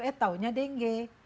eh taunya dengge